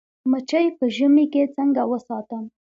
مچۍ په ژمي کې څنګه وساتم؟